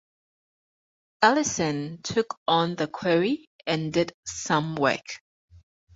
Ellison took on the quarry and did some work.